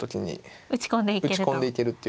打ち込んでいけると。